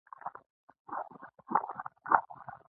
د پخلي پیل له مالګې سره کېږي.